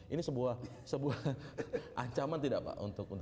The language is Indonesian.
ini sebuah ancaman tidak pak